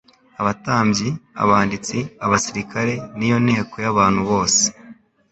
Abatambyi , abanditsi, abasirikare n'iyo nteko y'abantu bose :